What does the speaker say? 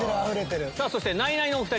そしてナイナイのお２人。